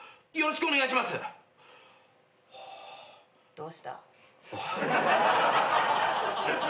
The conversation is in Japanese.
どうした？